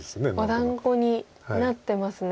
お団子になってますね。